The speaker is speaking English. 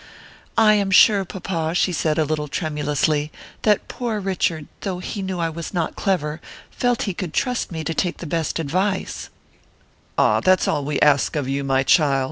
"I am sure, papa," she said, a little tremulously, "that poor Richard, though he knew I was not clever, felt he could trust me to take the best advice " "Ah, that's all we ask of you, my child!"